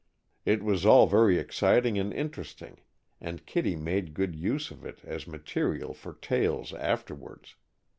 It was all very exciting and interesting, and Kittie made good use of it as material for tales afterwards.